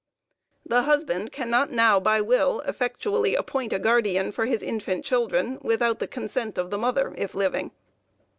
The husband cannot now by will effectually appoint a guardian for his infant children without the consent of the mother, if living.